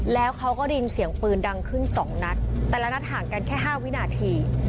แล้วเขาก็ได้ยินเสียงปืนดังขึ้นสองนัดแต่ละนัดห่างกันแค่๕วินาที